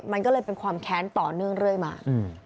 มันก็เลยเป็นความแค้นต่อเนื่องเรื่อยมา